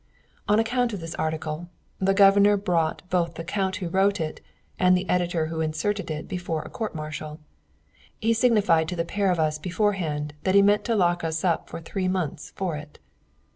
On account of this article, the Governor brought both the Count who wrote it and the editor who inserted it before a court martial. He signified to the pair of us beforehand that he meant to lock us up for three months for it.